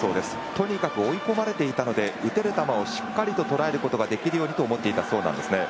とにかく追い込まれていたので打てる球をしっかり捉えることができるようにと思っていたそうなんですね。